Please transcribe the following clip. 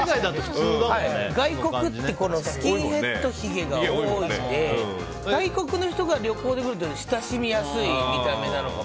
外国ってスキンヘッドひげが多いので外国の人が旅行で来ると親しみやすい見た目なのかも。